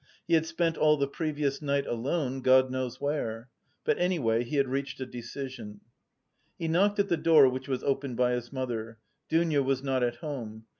He had spent all the previous night alone, God knows where. But anyway he had reached a decision. He knocked at the door which was opened by his mother. Dounia was not at home.